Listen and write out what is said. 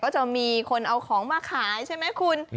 จะมีคนเอาของมาขายใช่ไหมคุณ